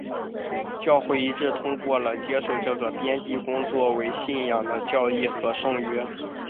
教会一致通过了接受这个编辑工作为信仰的教义和圣约。